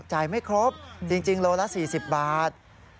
จ่ายไม่ครบจริงลูละ๔๐บาท